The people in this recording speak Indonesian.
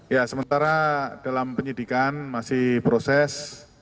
ya sementara dalam penyidikan masih proses